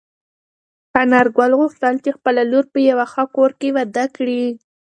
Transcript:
انارګل غوښتل چې خپله لور په یوه ښه کور کې واده کړي.